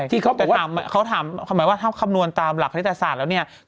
เขาบอกว่าเขาถามความหมายว่าถ้าคำนวณตามหลักคณิตศาสตร์แล้วเนี่ย